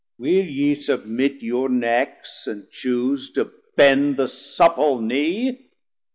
Will ye submit your necks, and chuse to bend The supple knee?